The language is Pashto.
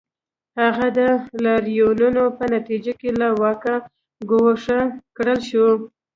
هغه د لاریونونو په نتیجه کې له واکه ګوښه کړل شو.